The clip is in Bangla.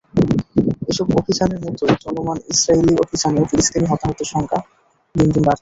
এসব অভিযানের মতোই চলমান ইসরায়েলি অভিযানেও ফিলিস্তিনি হতাহতের সংখ্যা দিন দিন বাড়ছে।